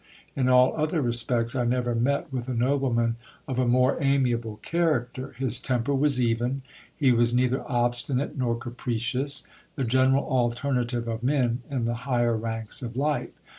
In all other re spects, I never met with a nobleman of a more amiable character : his temper was even ; he was neither obstinate nor capricious ; the general alternative of men in the higher ranks of life.